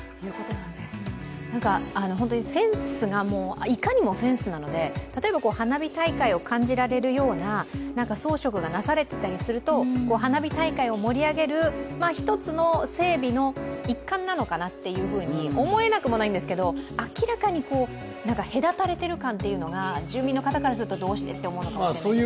なんか、フェンスがいかにもフェンスなので、例えば花火大会を感じられるような装飾がなされていたりすると、花火大会を盛り上げる一つの整備の一環なのかなと思えなくもないんですが、明らかに隔たれてる感というのが住民の方から見るとどうして？って思うのかもしれませんね。